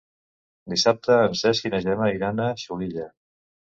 Dissabte en Cesc i na Gemma iran a Xulilla.